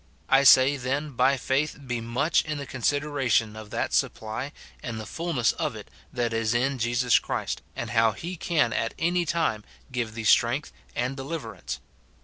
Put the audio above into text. I say, then, by faith be much in the consideration of that supply and the fulness of it that is in Jesus Christ, and how he can at any time give thee strength and deliverance.